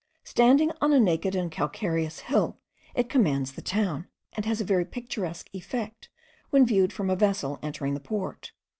Standing on a naked and calcareous hill, it commands the town, and has a very picturesque effect when viewed from a vessel entering the port.